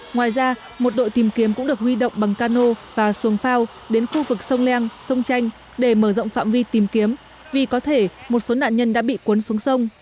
ngoài ra một đội tìm kiếm cũng được huy động bằng cano và xuồng phao đến khu vực sông leng sông chanh để mở rộng phạm vi tìm kiếm vì có thể một số nạn nhân đã bị cuốn xuống sông